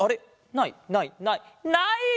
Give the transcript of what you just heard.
ないないないない！